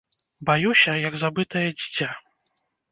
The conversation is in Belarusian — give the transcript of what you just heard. Баюся, як забытае дзіця.